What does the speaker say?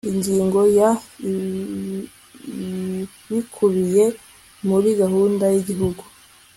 Ingingo ya Ibikubiye muri Gahunda y Igihugu